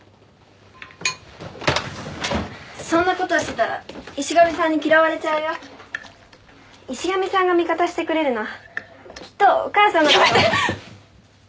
そんなことしてたら石神さんに嫌われちゃうよ石神さんが味方してくれるのはきっとお母さんのことやめて！